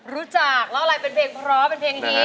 รู้จักเล่าอะไรเป็นเพลงเพราะเพลงฮีต